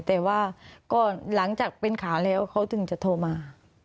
แต่ว่าก็หลังจากเป็นข่าวแล้วเขาถึงจะโทรมา